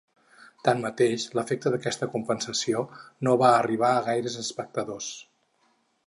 Tanmateix, l’efecte d’aquesta ‘compensació’ no va arribar a gaires espectadors.